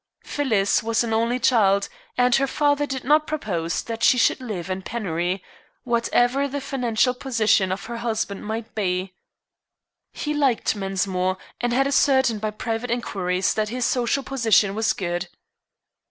Phyllis was an only child, and her father did not propose that she should live in penury, whatever the financial position of her husband might be. He liked Mensmore, and had ascertained by private inquiries that his social position was good.